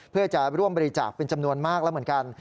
เพื่อจะร่วมบริจาคเป็นจำนวนมากแล้วเหมือนกัน